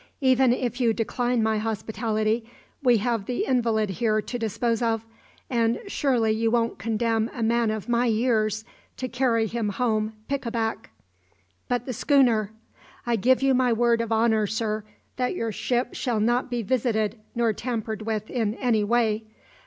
Even if you decline my hospitality we have the invalid here to dispose of, and surely you won't condemn a man of my years to carry him home pick a back!" "But the schooner " "I give you my word of honour, sir, that your ship shall not be visited nor tampered with in any way.